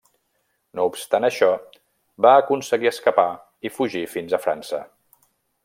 No obstant això, va aconseguir escapar i fugir fins a França.